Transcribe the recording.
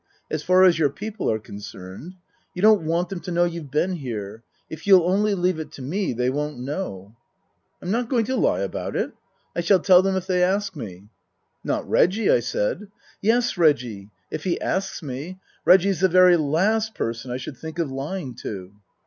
" As far as your people are concerned. You don't want them to know you've been here. If you'll only leave it to me, they won't know." "I'm not going to lie about it. I shall tell them if they ask me." " Not Reggie," I said. " Yes, Reggie. If he asks me. Reggie's the very last person I should think of lying to."